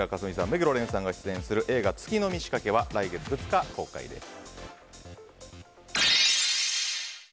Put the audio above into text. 目黒蓮さんが出演する映画「月の満ち欠け」は来月２日公開です。